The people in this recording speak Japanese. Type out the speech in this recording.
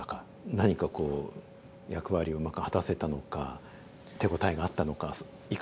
何かこう役割をうまく果たせたのか手応えがあったのかいかがでしたか？